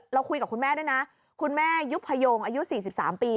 เราคุยกับคุณแม่ด้วยนะคุณแม่ยุบพยงอายุสี่สิบสามปี